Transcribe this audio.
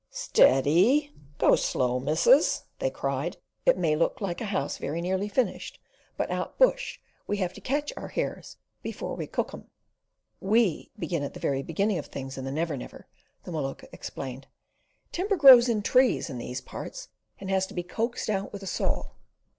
"Steady! Go slow, missus!" they cried. "It may look like a house very nearly finished, but out bush, we have to catch our hares before we cook them." "WE begin at the very beginning of things in the Never Never," the Maluka explained. "Timber grows in trees in these parts, and has to be coaxed out with a saw."